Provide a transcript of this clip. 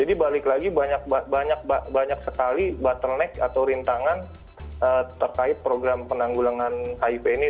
balik lagi banyak sekali bottleneck atau rintangan terkait program penanggulangan hiv ini